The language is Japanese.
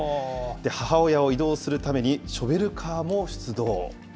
母親を移動するために、ショベルカーも出動。